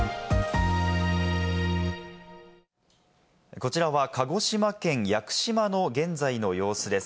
こちらは鹿児島県屋久島の現在の様子です。